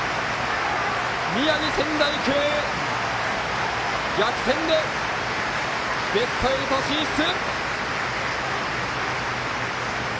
宮城、仙台育英逆転でベスト８進出！